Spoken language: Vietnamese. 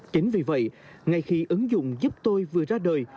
chính vì vậy ngay khi ứng dụng giúp tôi vừa ra đời